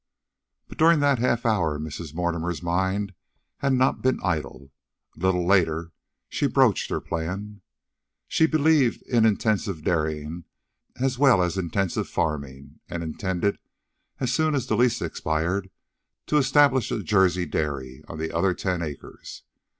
But during that half hour Mrs. Mortimer's mind had not been idle. A little later, she broached her plan. She believed in intensive dairying as well as intensive farming, and intended, as soon as the lease expired, to establish a Jersey dairy on the other ten acres.